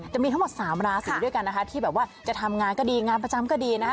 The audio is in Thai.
จะมีทั้งหมด๓ราศีด้วยกันนะคะที่แบบว่าจะทำงานก็ดีงานประจำก็ดีนะคะ